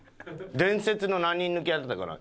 伝説の何人抜きやってたかな？